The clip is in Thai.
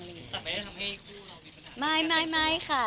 แต่ไม่ได้ทำให้คู่เรามีปัญหา